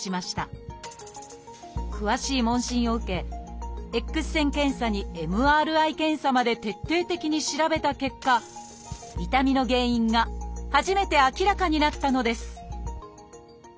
詳しい問診を受けＸ線検査にＭＲＩ検査まで徹底的に調べた結果痛みの原因が初めて明らかになったのです